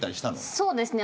そうですね。